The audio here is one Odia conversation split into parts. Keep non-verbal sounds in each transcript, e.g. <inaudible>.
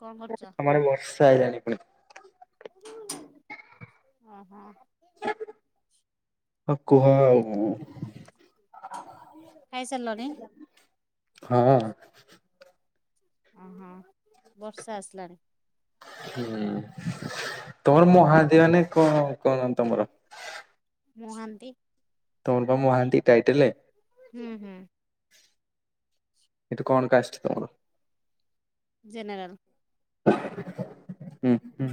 କଣ କରୁଛ? ଆମ ଆଡେ ବର୍ଷା ଆଇଲାଣି ପୁଣି। ଓ ହୋ। ହଁ କୁହ ଆଉ ଖାଇସାରିଲଣି? ହଁ। ଓ ହୋ। ହୁଁ ତମର ମ <unintelligible> କଣ କରନ୍ତି ତମର? ମହାନ୍ତି। ତମର ବା ମହାନ୍ତି ଟାଇଟେଲେ। ଏଠୁ କଣ କାଷ୍ଟ ତୁମର? ଜେନେରାଲ। ହୁଁ-ହୁଁ।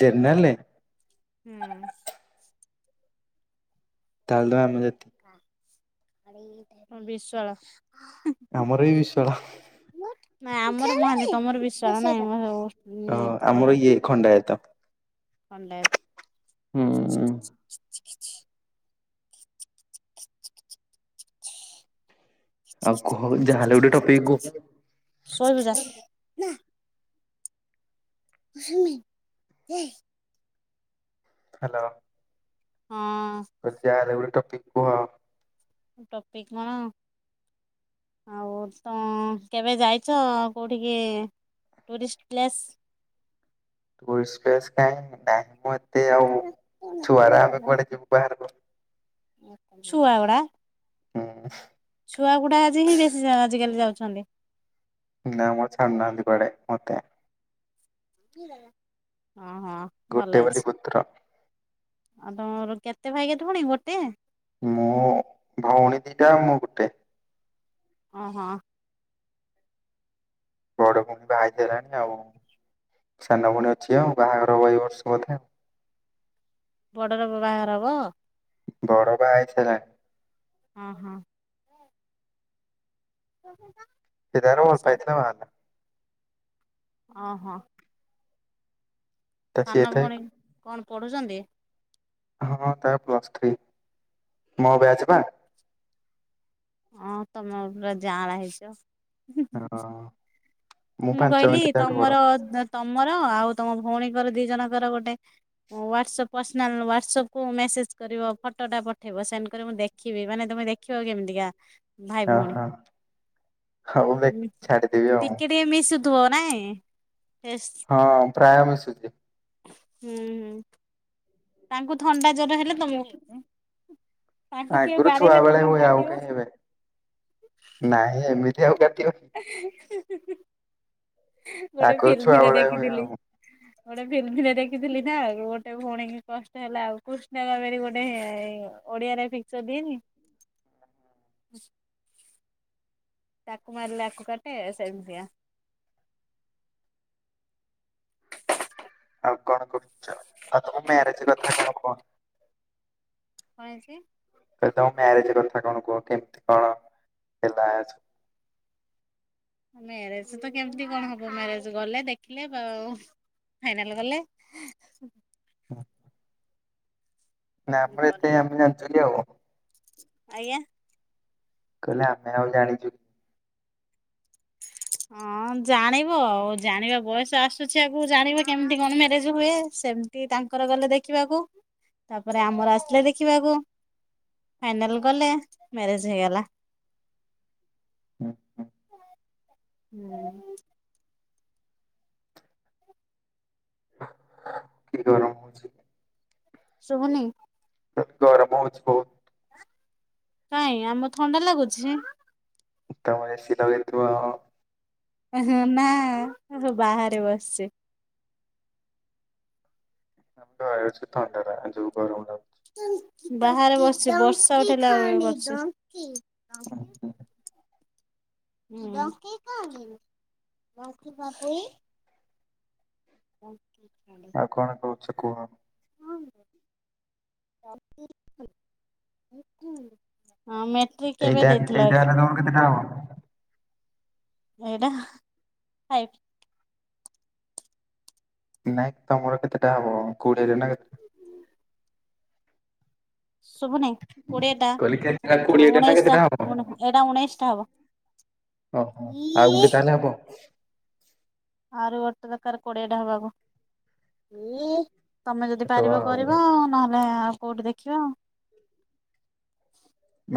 ଜେର୍ନରାଲେ। ହୁଁ। ତା ହେଲେ ତ ଆମ ଜାତି ବିଶ୍ୱାଳ। ଆମର ବି ବିଶ୍ୱାଳ। ନାଇଁ ଆମର ମହାନ୍ତି ତମର ବିଶ୍ୱାଳ ନାହିଁ ମ ସବୁ ଓ ଆମର ଇଏ ଖଣ୍ଡାୟତ। ଖଣ୍ଡାୟତ। ହୁଁ ଆଉ କୁହ ଯାହା ହେଲେ ଗୋଟେ ଟପିକ କୁ ଶୋଇବୁ ଯା। <unintelligible> ହ୍ୟାଲୋ। ହଁ ଯା ହେଲେ ଗୋଟେ ଟପିକ କୁହ। ଟପିକ କଣ? ଆଉ ତ କେବେ ଯାଇଛ କୋଉଠିକି? Tourist place. ଟୁରିଷ୍ଟ ପ୍ଲେସ କାହିଁ ନାହିଁ ମୁଁ ଏତେ ଆଉ ଛୁଆଗୁରା ଆମେ କୁଆଡେ ଯିବୁ ବାହାରକୁ। ଛୁଆଗୁଡା ହୁଁ। ଛୁଆଗୁଡ଼ା ଆଜି ହିଁ ବେଶୀ ଆଜିକାଲି ଯାଉଛନ୍ତି। ନା ମତେ ଛାଡୁନାହାନ୍ତି କୁଆଡ଼େ ମତେ। ହଁ ହଁ ଗୋଟେ ଭଲ ବୋଲି ହେଇଛି ପୁତ୍ର ଆଉ ତମର କେ କେତେ ଭାଇ କେତେ ଭଉଣୀ? ଗୋଟେ ମୋ ଭଉଣୀ ଦିଟା ମୁଁ ଗୋଟେ। ଓ ହଁ। ବଡ ଭଉଣୀ ବାହା ହେଇସାରିଲାଣି ଆଉ। ସାନ ଭଉଣୀ ଅଛି ଆଉ ବାହାଘର ହବ ଏହି ବର୍ଷ ବୋଧେ ଆଉ। ବଡର ବାହଘର ହବ? ବଡ ବାହା ହେଇସାରିଲାଣି। ହଁ - ହଁ। <unintelligible> ସେ ତାର ଭଲପାଇଥିଲା ବାହାହେଲା। ଓ ହଁ। ତ ସିଏ ସାନ ତ ଭଉଣୀ କଣ ପଢୁଛନ୍ତି? ହଁ ତା ପ୍ଲସ୍ ଥ୍ରୀ ମୋ ବ୍ୟାଚ୍ ବା। ହଁ ତମେ ପରା ଯାଆଁଳା ହେଇଛ। ହଁ। ମୁଁ କହିଲି ତମର ତମର ଆଉ ତମ ଭଉଣୀଙ୍କର ଦି ଜଣଙ୍କର, ଗୋଟେ ୱାଟସପ ପର୍ସନାଲ ୱାଟସପ୍ କୁ ମେସେଜ କରିବ ଫ ଫଟୋଟା ପଠେଇବ ସେଣ୍ଡ କରିବ, ମୁଁ ଦେଖିବି ମାନେ ତମେ ଦେଖିବାକୁ କେମିତିକା? ଭାଇ ଓ ଭଉଣୀ ହୋ ହଉ <unintelligible> ଛାଡିଦେବି ଆଉ। ଟିକେ ଟିକେ ମିଶୁଥିବ ନାଇଁ। ଫେସ୍ ହଁ ପ୍ରାୟ ମିଶୁଛି। ହୁଁ- ହୁଁ ତାଙ୍କୁ ଥଣ୍ଡା ଜର ହେଲେ ତମକୁ ବି ହୁଏ? ତାଙ୍କୁ କିଏ ଆଗରୁ ଛୁଆ ବାଡ଼େଇଲେ ବେଳେ ତମକୁ ହୁଏ ଆଉ କାଟିବ? କାହିଁ ଏବେ। ନାଇଁ ଏମିତି ଆଉ କାଟିବ କି? କାଟିବ। ଗୋଟେ ଆଗରୁ ଛୁଆ ଫିଲ୍ମରେ ବେଳେ ହୁଏ ଦେଖିଥିଲି। ଆଉ ଗୋଟେ ଫିଲ୍ମରେ ଦେଖିଥିଲି ନା ଗୋଟେ ଭଉଣୀ କି କଷ୍ଟ ହେଲା ଆଉ କୃଷ୍ଣ କାବେରୀ ଗୋଟେ ଓଡିଆରେ ପିକଚର ଦିଏନି। ତାକୁ ମାରିଲେ ଆକୁ କାଟେ ସେମତିଆ କଣ କରୁଛ? ଆଉ ତମ ମ୍ୟାରେଜ କଥା କଣ କହୁ କଣ ହେଇଛି? ତ ତମ ମ୍ୟାରେଜ କଥା କଣ କୁହ କେମିତି କଣ ହେଲା ସବୁ ମ୍ୟାରେଜ ତ କେମିତି କଣ ହବ ମ୍ୟାରେଜ ଗଲେ ଦେଖିଲେ ବା ଆଉ। ଫାଇନାଲ୍ କଲେ। ହଁ। ନା ମ ଏତେ ଆମେ ଜାଣିଚେ କି ଆଉ। ଆଜ୍ଞା। କହିଲି ଆମେ ଆଉ ଜାଣିଛୁ ହଁ ଜାଣିବ ଆଉ ଜାଣିବା ବୟସ ଆସୁଛି ଆଗକୁ ଜାଣିବା କେମିତି କଣ ମ୍ୟାରେଜ ହୁଏ? ସେମିତି ତାଙ୍କର ଗଲେ ଦେଖିବାକୁ ତାପରେ ଆମର ଆସିଲେ ଦେଖିବାକୁ। ଫାଇନାଲ ଗଲେ ମ୍ୟାରେଜ ହେଇଗଲା। ହୁଁ- ହୁଁ। ହୁଁ। କି ଗରମ ହଉଛି? ଶୁଭୁନି। ଗରମ ହଉଛି ବହୁତ୍ କାଇଁ ଆମ ଥଣ୍ଡା ଲାଗୁଛି। ତମର ଏସି ଲଗେଇଥିବ ଆଉ। ଉହୁଁ ନା ବାହାରେ ବସିଛି। <unintelligible> ଥଣ୍ଡା ଟା ଯୋଉ ଗରମଟା। ବାହାରେ ବସିଛି ବର୍ଷା ଉଠେଇଲା <inaudible> ବସିଛି। ହୁଁ। <unintelligible> ଆଉ କଣ କହୁଛ କୁହ? ହଁ <unintelligible> ହଁ ମେଟ୍ରିକ ଏଇଟା କେବେ ଦେଇଥିଲ? ଏଇଟା ହେଲେ ତମର କେତେଟା ହବ ଏଇଟା ଫାଇଭ। ନାଇଁ ତମର କେତେଟା ହବ କୋଡିଏ ରେ ନା ଶୁଭୁନି କୋଡିଏଟା କହିଲି କେତେଟା କୋଡିଏଟା ନା ଉଣେଇଶ କେତେଟା ଟା ଏଟା ଉଣେଇଶ ଟା ହବ। ଓ ହୋ ଆଉ ଗୋଟେ ତାହେଲେ ହବ? ଆହୁରି ଗୋଟେ ଦରକାର କୋଡ଼ିଏ ଟା ହବାକୁ। ତମେ ଯଦି ତ ପାରିବ ଆଉ କରିବ, ନହେଲେ ଆଉ କୋଉଠି ଦେଖିବା ଆଉ।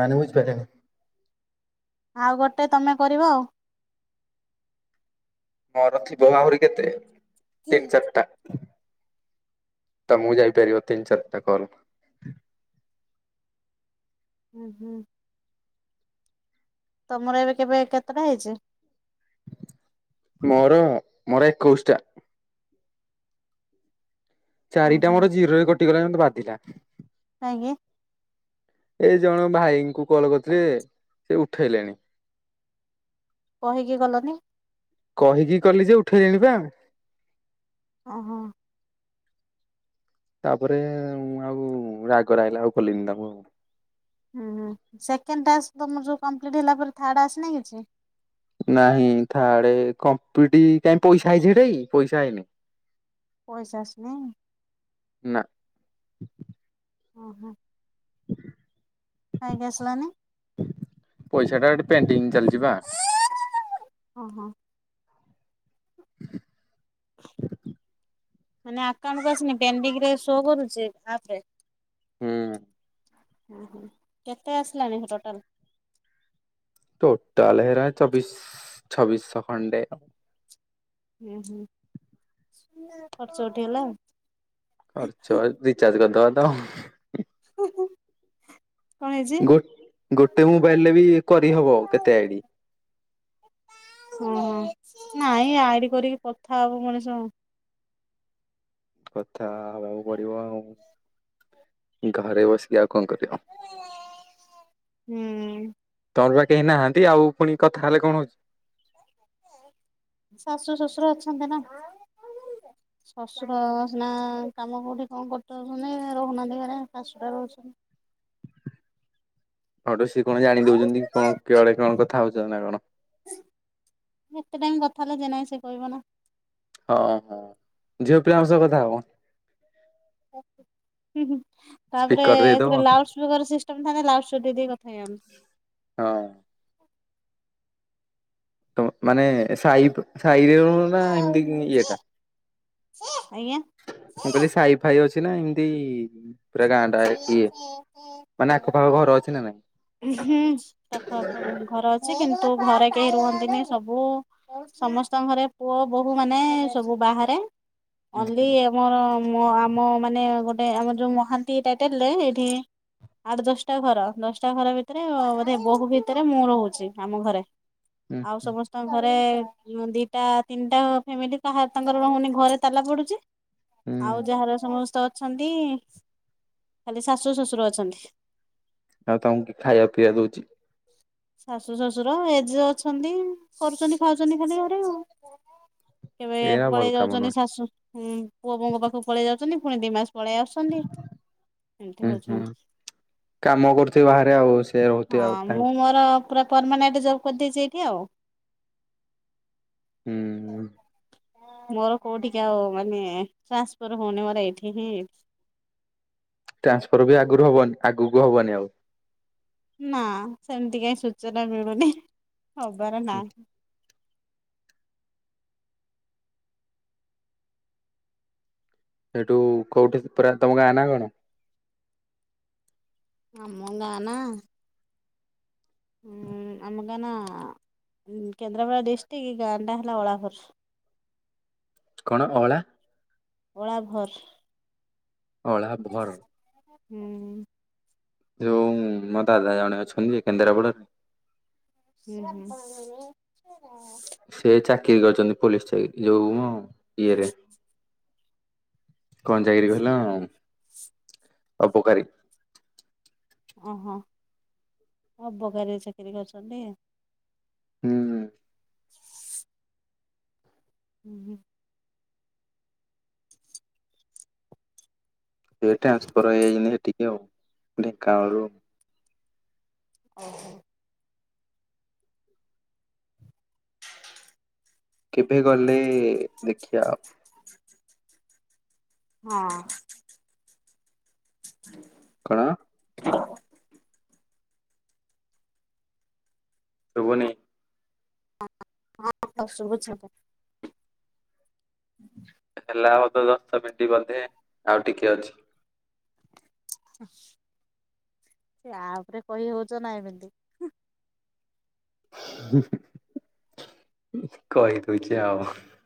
<unintelligible> ଆଉ ଗୋଟେ ତମେ କରିବ ଆଉ। ମୋର ଥିବ ଆହୁରି କେତେ ତିନି ଚାରିଟା। ତ ମୁଁ ଯାଇ ପାରିବ ତିନି ଚାରି ଟା କଲ। ହୁଁ - ହୁଁ। ତମର ଏବେ କେବେ କେତେଟା ହେଇଛି? ମୋର ମୋର ଏକୋଇଶ ଟା। ଚାରିଟା ମୋର ଜିରୋରେ କଟିଗଲା ମତେ ବାଧିଲା। <unintelligible> ଏ ଜଣେ ଭାଇଙ୍କୁ କଲ କରିଥିଲେ ସେ ଉଠେଇଲେଣି। କହିକି କଲନି। କହିକି କଲି ଯେ ଉଠେଇଲେନି ବା। ଓ ହୋ। ତାପରେ ଆଉ ରାଗ ଲାଗିଲା ଆଉ କଲିନି ତାଙ୍କୁ ଆଉ। ହୁଁ- ହୁଁ ସେକେଣ୍ଡ ଟ୍ୟାକ୍ସ ତମର ଯୋଉ କମ୍ପ୍ଲିଟ ହେଲା ପରେ, ଥାର୍ଡ ଆସି ନାହିଁ କିଛି? ନାଇଁ ଥାର୍ଡ କଂପ୍ଲିଟ୍ କାଇଁ ପଇସା ଆଇଛି ସେଇଟା କି ପଇସା ଆଇନି। ପଇସା ଆସିନି? ହ ଓ ହୋ। ଖାଇକି ଆସିଲନି। ପଇସା ଟା ଗୋଟେ ପେଣ୍ଟିଂ ଚାଲିଚି ବା। ଓ ହୋ। ହ ମାନେ ଆକାଉଣ୍ଟକୁ ଆସୁନି ପେଣ୍ଡିଙ୍ଗରେ ସୋ କରୁଛି ଆପରେ। ହୁଁ। ଓ ହୋ କେତେ ଆସିଲାଣିି ଟୋଟାଲ? ଟୋଟାଲ ହେରା ଚବିଶ ଛବିଶ ଖଣ୍ଡେ ଆଉ। ହୁଁ- ହୁଁ ଖର୍ଚ୍ଚ ଉଠି ହେଲା ଆଉ। ଖର୍ଚ ରିଚାର୍ଜ କରିଦବା ତ କ ଗୋ ଗୋଟେ ମୋବାଇଲରେ ବି କରିହବ କେତେ ଆଇଡି? ହୁଁ- ହୁଁ। ନାଇଁ ଆଇଡି କରିକି କଥା ହବ ମଣିଷ। କଥା ହବାକୁ ପଡିବ ଆଉ ଘରେ ବସି ଉ କଣ କରିବ ହୁଁ। ତମର ବା କେହି ନାହାନ୍ତି ଆଉ ପୁଣି କଥା ହେଲେ କଣ ହଉଛି? ଶାଶୁ ଶଶୁର ଅଛନ୍ତି ନା। ଶଶୁର ସିନା କାମ କୋଉଠି କଣ କରିଚଉଛନ୍ତି, ରହୁନାହାନ୍ତି ଘରେ ଶାଶୁ ଟା ରହୁଛନ୍ତି। ହଉଠୁ ସେ କଣ ଜାଣି ଦଉଛନ୍ତି କି କଣ କୁଆଡେ କଣ କଥା ହଉଛ ନା କଣ? ଏତେ ଟାଇମ କଥା ହେଲେ ଯେ ନାହିଁ ସେ କହିବ ନା। ହଁ ହଁ ଝିଅ ପିଲାଙ୍କ ସହ କଥା ହବ। ତାପରେ ସ୍ପିକର ଦେଇଦବ ଏଥିରେ ହଁ। Loud speaker system. <unintelligible> ଦେଇ ଦେଇ କଥା ହେଇଯା ହଁ। ତ ମାନେ ସାଇ ତ ସାଇରେ ହୁଏ ନା ଏମିତି ଇଏଟା। ଆଜ୍ଞା। ମୁଁ କହିଲି ସାଇ ଫାଇ ଅଛି ନା ଏମିତି ପୁରା ଗାଁ ଟା ଇଏ ଶିଖ ମାନେ ଆଖପାଖ ଘର ଅଛି ନା ନାଇଁ। ହୁଁ ପାଖ ଆଖ ଘର ଅଛି କିନ୍ତୁ ଘରେ କେହି ରୁହନ୍ତିନି ସବୁ ସମସ୍ତଙ୍କ ଘରେ ପୁଅ ବୋହୂ ମାନେ ସବୁ ବାହାରେ। ଓନ୍ଲି ଆମର ଆମ ମାନେ ଗୋଟେ ଆମର ଯୋଉ ଥାଆନ୍ତି ଟାଇଟେଲରେ ଏଇଠି। ଆଠ ଦଶଟା ଘର ଦଶଟା ଘର ଭିତରେ ବୋଧେ ବୋହୂ ଭିତରେ ମୁଁ ରହୁଛି ଆମ ଘରେ। ହୁଁ ଆଉ ହୁଁ ସମସ୍ତଙ୍କ ଘରେ ଦିଟା ତିନିଟା ଫ୍ୟାମିଲି କାହାର ତାଙ୍କର ରହୁନି ଘରେ ତାଲା ପଡୁଛି। ହୁଁ ଆଉ ଯାହାର ସମସ୍ତେ ଅଛନ୍ତି। ଖାଲି ଶାଶୁ ଶ୍ୱଶୁର ଅଛନ୍ତି। ଆଉ ତମକୁ କିଏ ଖାଇଆକୁ ପିଇଆକୁ ଦଉଛି? ଶାଶୁ ଶଶୁର ଏ ଯେ ଅଛନ୍ତି କରୁଛନ୍ତି ଖାଉଛନ୍ତି ଖାଲି ଘରେ ଆଉ। କେବେ ଏଇରା ଭଲ ପଳେଇ କାମ ଯାଉଛନ୍ତି ନୁହେଁ। ଶାଶୁ ପୁଅ ବୋହୂଙ୍କ ପାଖକୁ ପଳେଇ ଯାଉଛନ୍ତି ପୁଣି ଦି ମାସ ପଳେଇ ଆସୁଛନ୍ତି। ଏମିତି ହୁଁ ହୁଁ ହଉଛନ୍ତି। କାମ କରୁଥିବେ ବାହାରେ ଆଉ ସେ ରହୁଥିବେ ଆଉ ହଁ ତାଙ୍କ ମୁଁ ମୋର ପୁରା ପର୍ମାନେଣ୍ଟ ଜବ କରିଦେଇଛି ଏଇଠି ଆଉ। ହୁଁ। ମୋର କୋଉଠି କି ଆଉ ମାନେ ଟ୍ରାନ୍ସଫର ହଉନି, ମୋର ଏଇଠି ହିଁ ଟ୍ରାନ୍ସଫର ବି ଆଗରୁ ହବନି ଆଗକୁ ହବନି ଆଉ। ନା ସେମିତି କାଇ ସୂଚନା ମିଳୁନି ହବାର ନାହିଁ। ସେଇଠୁ କୋଉଠି ପୁରା ତମ ଗାଁ ନା କଣ? ଆମ ଗାଁ ନା ହୁଁ ଆମ ଗାଁ ନା କେନ୍ଦ୍ରାପଡ଼ା ଡିଷ୍ଟ୍ରିକ୍ ଗାଁ ଟା ହେଲା ଅଳାଭର୍। କଣ ଅଳା ଅଳାଭର। ଅଳା ଭର। ହୁଁ। ଯୋଉ ମୋ ଦାଦା ଜଣେ ଅଛନ୍ତି କେନ୍ଦ୍ରାପଡ଼ାରେ। ହୁଁ ହୁଁ। ସେ ଚାକିରି କରିଛନ୍ତି ପୋଲିସ ଚାକିରି ଯୋଉ ଉଁ ଇଏରେ କଣ ଚାକିରି କହିଲି ନା ଅପକାରୀ ଓହୋ ଅବକାରୀ ଚାକିରି କରିଛନ୍ତି। ହୁଁ ହୁଁ। ହୁଁ ହୁଁ। ସେ ଟ୍ରାନସ୍ଫର ହେଇଯାଇଛନ୍ତି ସେଠିକି ଆଉ ଢେଙ୍କାନାଳ ରୁ ଓହୋ। କେବେ ଗଲେ ଦେଖିବା ଆଉ। ହଁ। <inaudible> କଣ? ଶୁଭୁନି। ହଁ ତ ଶୁଭୁଛି ଏବେ। ହେଲା ହଉ ତ ଦଶ ମିନିଟ ବୋଧେ ଆଉ ଟିକେ ଅଛି। ସେୟା ଉପରେ କହି ହଉଛ ନା ଏମିତି। କହି ଦଉଛେ ଆଉ।